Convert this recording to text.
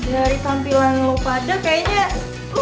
dari tampilan lo pada kayaknya